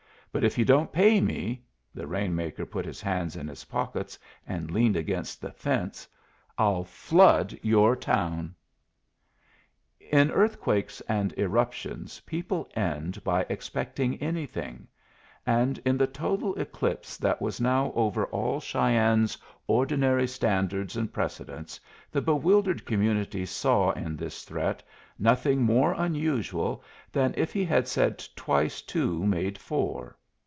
But if you don't pay me" (the rain maker put his hands in his pockets and leaned against the fence) "I'll flood your town." In earthquakes and eruptions people end by expecting anything; and in the total eclipse that was now over all Cheyenne's ordinary standards and precedents the bewildered community saw in this threat nothing more unusual than if he had said twice two made four.